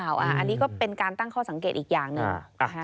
อันนี้ก็เป็นการตั้งข้อสังเกตอีกอย่างหนึ่ง